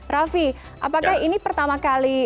raffi apakah ini pertama kali